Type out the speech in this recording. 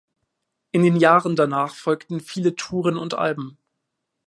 In den Jahren danach folgten viele Touren und Alben.